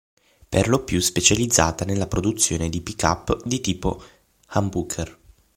Per lo più specializzata nella produzione di Pick-up di tipo Humbucker.